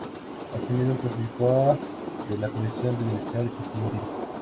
Asimismo, participó de la Comisión de Bienestar Estudiantil.